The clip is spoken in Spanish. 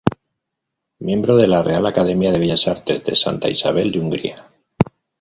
Miembro de la Real Academia de Bellas Artes de Santa Isabel de Hungría.